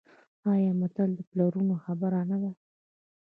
آیا متل د پلرونو خبره نه ده؟